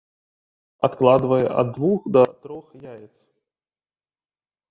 Адкладвае ад двух да трох яец.